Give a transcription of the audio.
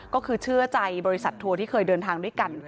ก็คือเชื่อใจบริษัททัวร์ที่เคยเดินทางด้วยกัน